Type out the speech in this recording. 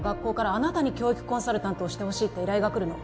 あなたに教育コンサルタントをしてほしいって依頼が来るの